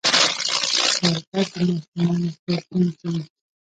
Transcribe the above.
شربت د ماشومانو خوږ ژوند ښيي